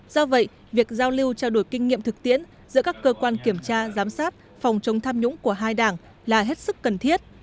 do vậy việc giao lưu trao đổi kinh nghiệm thực tiễn giữa các cơ quan kiểm tra giám sát phòng chống tham nhũng của hai đảng là hết sức cần thiết